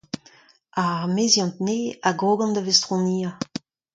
Ar meziant nevez a grogan da vestroniañ.